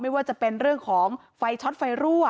ว่าจะเป็นเรื่องของไฟช็อตไฟรั่ว